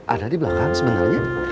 ada di belakang sebenarnya